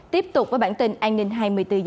tiếp tục với bản tin an ninh hai mươi bốn h